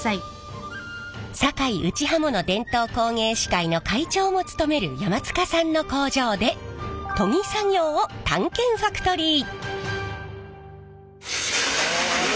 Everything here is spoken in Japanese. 堺打刃物伝統工芸士会の会長も務める山塚さんの工場で研ぎ作業を探検ファクトリー。